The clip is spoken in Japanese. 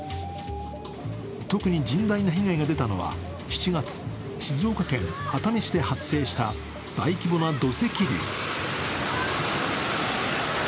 特に甚大な被害が出たのは７月、静岡県熱海市で発生した大規模な土石流。